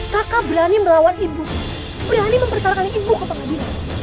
kakak berani melawan ibu berani mempertaruhkan ibu ke pengadilan